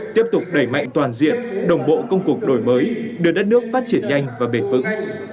tiếp tục đẩy mạnh toàn diện đồng bộ công cuộc đổi mới đưa đất nước phát triển nhanh và bền vững